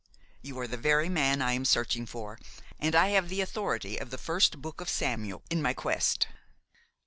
"You are the very man I am searching for, and I have the authority of the First Book of Samuel in my quest."